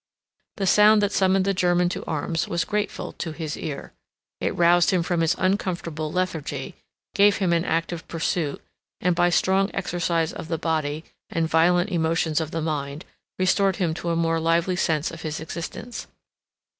The sound that summoned the German to arms was grateful to his ear. It roused him from his uncomfortable lethargy, gave him an active pursuit, and, by strong exercise of the body, and violent emotions of the mind, restored him to a more lively sense of his existence.